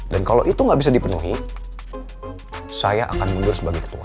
dan kalau itu gak bisa dipenuhi saya akan mundur sebagai ketua